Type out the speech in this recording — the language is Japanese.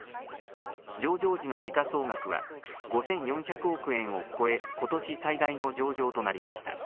上場時の時価総額は、５４００億円を超え、ことし最大の上場となりました。